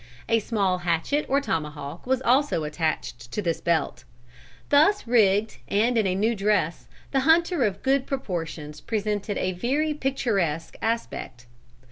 A small hatchet or tomahawk was also attached to this belt. Thus rigged and in a new dress the hunter of good proportions presented a very picturesque aspect.